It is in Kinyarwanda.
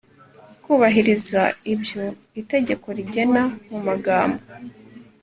kubahiriza ibyo itegeko rigena mumagambo